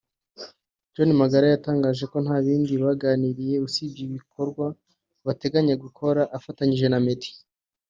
John Magara yatangaje ko nta bindi baganiriye usibye ibikorwa bateganya gukora bafatanyije na Meddy